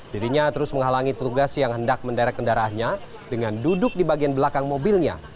dirinya terus menghalangi petugas yang hendak menderek kendaraannya dengan duduk di bagian belakang mobilnya